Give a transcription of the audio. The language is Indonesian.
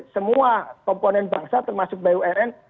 semua komponen bangsa termasuk bumn